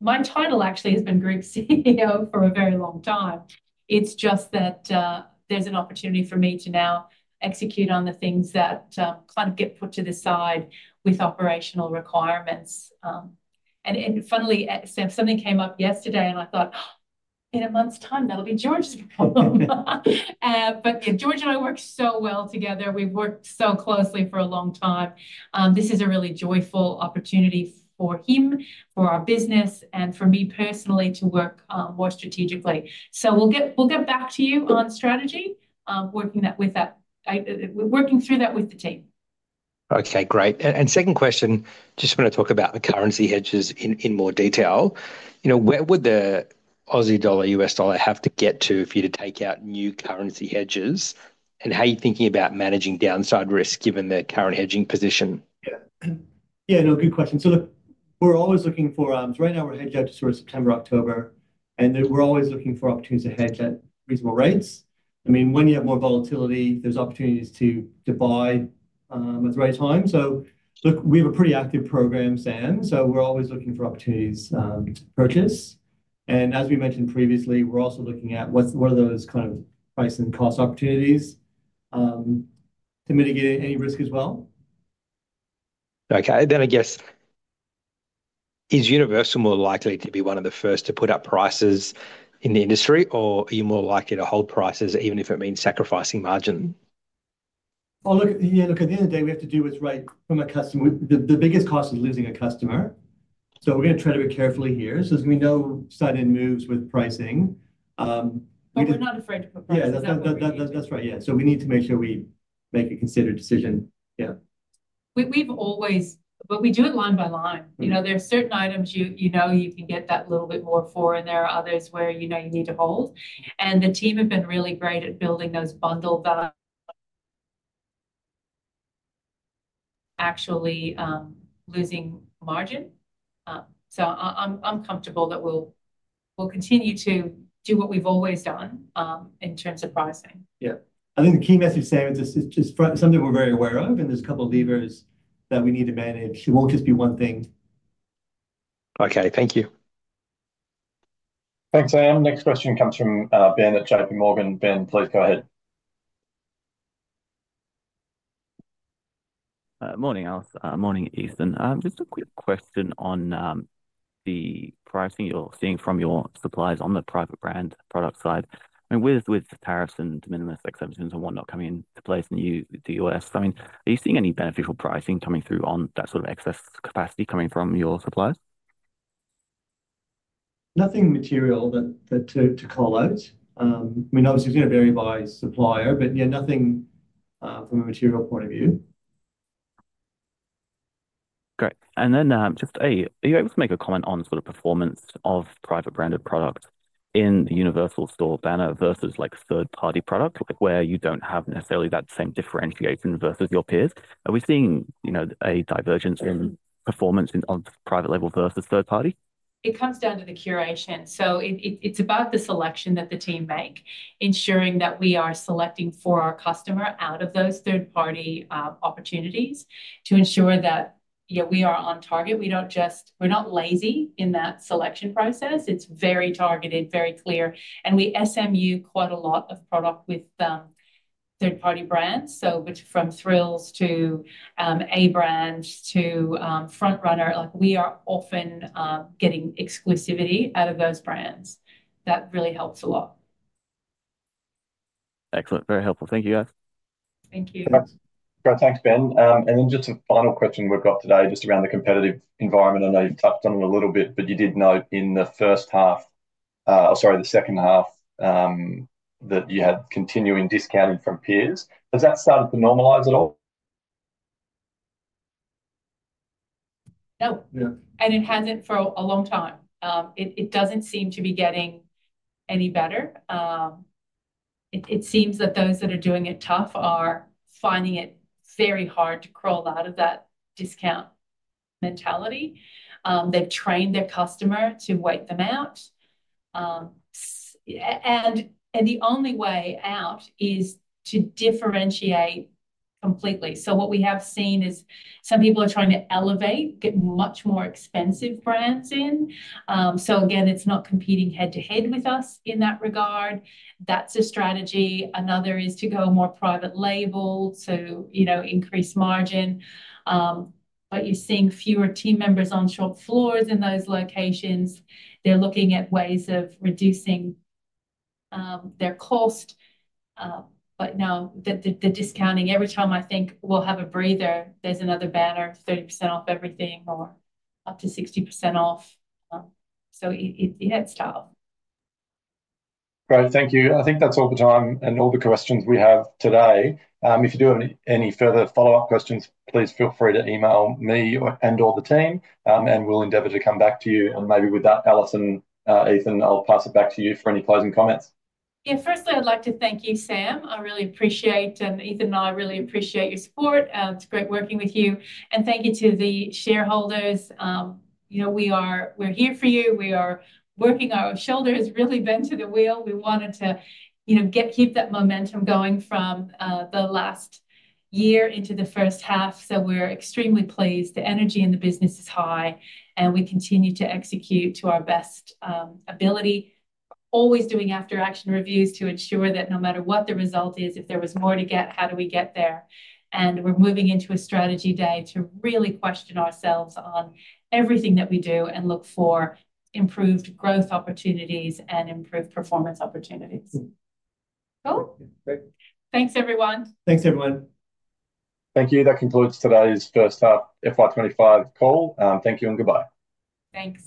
my title actually has been Group CEO for a very long time. It's just that there's an opportunity for me to now execute on the things that kind of get put to the side with operational requirements. And funnily, Sam, something came up yesterday, and I thought, in a month's time, that'll be George's problem. But George and I work so well together. We've worked so closely for a long time. This is a really joyful opportunity for him, for our business, and for me personally to work more strategically. So we'll get back to you on strategy, working through that with the team. Okay. Great. And second question, just want to talk about the currency hedges in more detail. Where would the Aussie dollar, U.S. dollar have to get to for you to take out new currency hedges? And how are you thinking about managing downside risk given the current hedging position? Yeah. No, good question. So look, we're always looking for right now, we're hedged out to sort of September, October. And we're always looking for opportunities to hedge at reasonable rates. I mean, when you have more volatility, there's opportunities to buy at the right time. So look, we have a pretty active program, Sam. So we're always looking for opportunities to purchase. And as we mentioned previously, we're also looking at what are those kind of price and cost opportunities to mitigate any risk as well. Okay. Then I guess, is Universal more likely to be one of the first to put up prices in the industry, or are you more likely to hold prices even if it means sacrificing margin? Look, at the end of the day, we have to do what's right from a customer. The biggest cost is losing a customer. So we're going to try to be careful here. So there's going to be no sudden moves with pricing. But we're not afraid to put prices down. Yeah, that's right. Yeah. So we need to make sure we make a considered decision. Yeah. But we do it line by line. There are certain items you know you can get that little bit more for, and there are others where you need to hold. And the team have been really great at building those bundled values, actually losing margin. So I'm comfortable that we'll continue to do what we've always done in terms of pricing. Yeah. I think the key message, Sam, is just something we're very aware of. And there's a couple of levers that we need to manage. It won't just be one thing. Okay. Thank you. Thanks, Sam. Next question comes from Bryan at J.P. Morgan. Bryan, please go ahead. Morning, Alice. Morning, Ethan. Just a quick question on the pricing you're seeing from your suppliers on the private brand product side. I mean, with tariffs and de minimis exemptions and whatnot coming into place in the US, I mean, are you seeing any beneficial pricing coming through on that sort of excess capacity coming from your suppliers? Nothing material to call out. I mean, obviously, it's going to vary by supplier. But yeah, nothing from a material point of view. Great. And then just, are you able to make a comment on sort of performance of private branded products in Universal Store banner versus third-party products where you don't have necessarily that same differentiation versus your peers? Are we seeing a divergence in performance on private label versus third-party? It comes down to the curation. So it's about the selection that the team make, ensuring that we are selecting for our customer out of those third-party opportunities to ensure that we are on target. We're not lazy in that selection process. It's very targeted, very clear. And we SMU quite a lot of product with third-party brands. So from Thrills to Abrand to Front Runner, we are often getting exclusivity out of those brands. That really helps a lot. Excellent. Very helpful. Thank you, guys. Thank you. Thanks, Bryan. And then just a final question we've got today just around the competitive environment. I know you touched on it a little bit, but you did note in the first half, or sorry, the second half, that you had continuing discounting from peers. Has that started to normalize at all? No. And it hasn't for a long time. It doesn't seem to be getting any better. It seems that those that are doing it tough are finding it very hard to crawl out of that discount mentality. They've trained their customer to wait them out. And the only way out is to differentiate completely. So what we have seen is some people are trying to elevate, get much more expensive brands in. So again, it's not competing head-to-head with us in that regard. That's a strategy. Another is to go more private label to increase margin. But you're seeing fewer team members on shop floors in those locations. They're looking at ways of reducing their cost. But now the discounting, every time I think we'll have a breather, there's another banner, 30% off everything or up to 60% off. So yeah, it's tough. Great. Thank you. I think that's all the time and all the questions we have today. If you do have any further follow-up questions, please feel free to email me and/or the team. And we'll endeavor to come back to you. And maybe with that, Alice and Ethan, I'll pass it back to you for any closing comments. Yeah. Firstly, I'd like to thank you, Sam. I really appreciate, and Ethan and I really appreciate your support. It's great working with you, and thank you to the shareholders. We're here for you. We are working with our shoulders to the wheel. We wanted to keep that momentum going from the last year into the first half, so we're extremely pleased. The energy in the business is high, and we continue to execute to our best ability, always doing after-action reviews to ensure that no matter what the result is, if there was more to get, how do we get there, and we're moving into a strategy day to really question ourselves on everything that we do and look for improved growth opportunities and improved performance opportunities. Cool. Thanks, everyone. Thanks, everyone. Thank you. That concludes today's First Half FY25 call. Thank you and goodbye. Thanks.